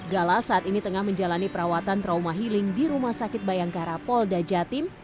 gala saat ini tengah menjalani perawatan trauma healing di rumah sakit bayangkara polda jatim